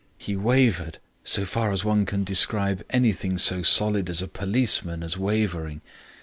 He wavered, so far as one can describe anything so solid as a policeman as wavering.